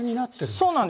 そうなんですよ。